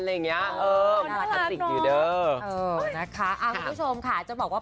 คุณผู้ชมค่ะจะบอกว่า